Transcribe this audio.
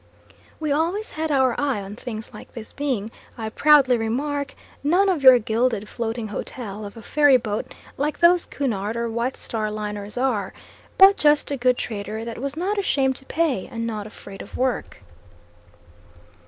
We always had our eye on things like this, being, I proudly remark, none of your gilded floating hotel of a ferry boat like those Cunard or White Star liners are, but just a good trader that was not ashamed to pay, and not afraid of work.